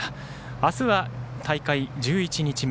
あすは大会１１日目